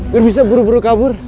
biar bisa buru buru kabur